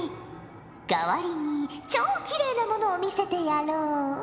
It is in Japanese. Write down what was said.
かわりに超きれいなものを見せてやろう。